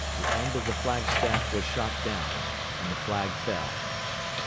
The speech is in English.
the end of the flag staff was shot down, and the flag fell.